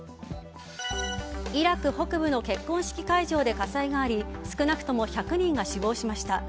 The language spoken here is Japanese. イラク北部の結婚式会場で火災があり少なくとも１００人が死亡しました。